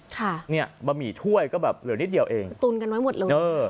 ค่ะเนี่ยบะหมี่ถ้วยก็แบบเหลือนิดเดียวเองตุนกันไว้หมดเลยเออ